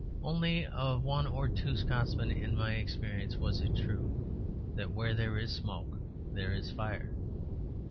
Only of one or two Scotsmen, in my experience, was it true that where there is smoke there is fire.